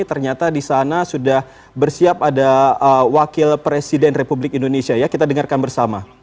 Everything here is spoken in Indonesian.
ternyata di sana sudah bersiap ada wakil presiden republik indonesia ya kita dengarkan bersama